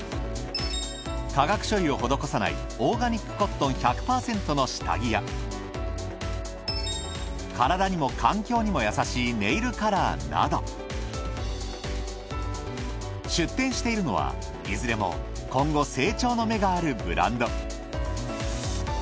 化学処理を施さないオーガニックコットン１００％の下着や体にも環境にも優しいネイルカラーなど出店しているのはいずれも今後成長の芽があるブランド。